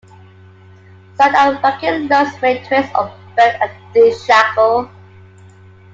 Side and racking loads may twist or bend a D-shackle.